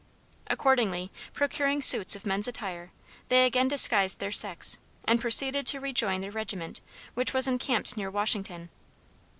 Accordingly, procuring suits of men's attire, they again disguised their sex and proceeded to rejoin their regiment, which was encamped near Washington.